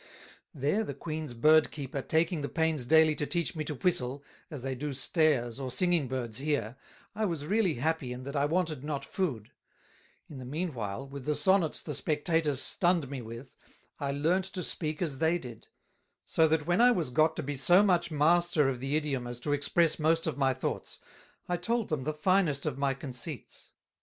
There the Queen's Bird keeper taking the pains daily to teach me to Whistle, as they do Stares or Singing Birds here, I was really happy in that I wanted not Food; In the mean while, with the Sonnets the Spectators stunned me [with], I learnt to speak as they did; so that when I was got to be so much Master of the Idiom as to express most of my thoughts, I told them the finest of my Conceits.